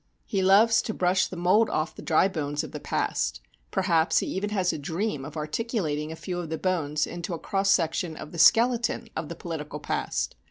He loves to brush the mold off the dry bones of the past. Perhaps he even has a dream of articulating a few of the bones into a cross section of the skeleton of the political past.